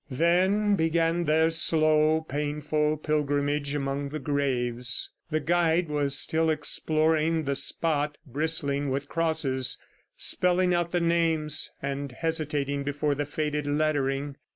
Then began their slow, painful pilgrimage among the graves. The guide was still exploring the spot bristling with crosses, spelling out the names, and hesitating before the faded lettering.